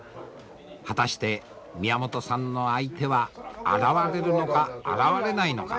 果たして宮本さんの相手は現れるのか現れないのか。